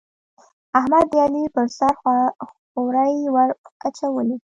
احمد، د علي پر سر خورۍ ور واېشولې.